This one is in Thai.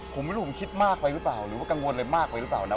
ผมไม่รู้ผมคิดมากไปหรือเปล่าหรือว่ากังวลอะไรมากไปหรือเปล่านะ